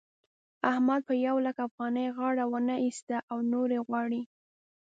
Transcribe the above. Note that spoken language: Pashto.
احمد په يو لک افغانۍ غاړه و نه اېسته او نورې غواړي.